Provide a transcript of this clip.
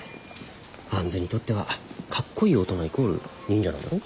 杏にとってはカッコイイ大人イコール忍者なんだろ？